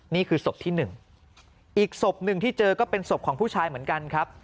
นี่คือศพที่หนึ่งอีกศพหนึ่งที่เจอก็เป็นศพของผู้ชายเหมือนกันครับ